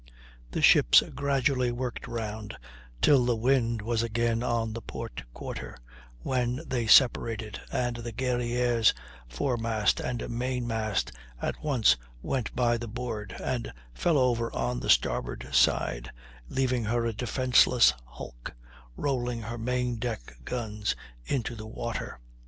The ships gradually worked round till the wind was again on the port quarter, when they separated, and the Guerrière's foremast and main mast at once went by the board, and fell over on the starboard side, leaving her a defenseless hulk, rolling her main deck guns into the water.